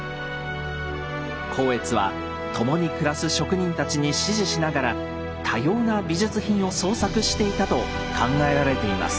光悦は共に暮らす職人たちに指示しながら多様な美術品を創作していたと考えられています。